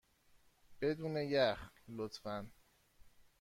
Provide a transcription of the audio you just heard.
بدون یخ، لطفا.